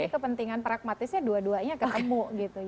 jadi kepentingan pragmatisnya dua duanya ketemu gitu